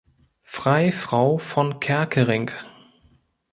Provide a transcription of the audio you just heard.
Freifrau von Kerckerinck".